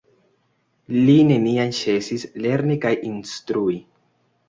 Li neniam ĉesis lerni kaj instrui.